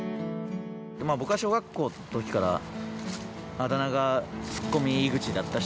僕は小学校のときからあだ名がツッコミ井口だったし。